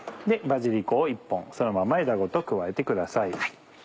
バジリコを１本そのまま枝ごと加えてください。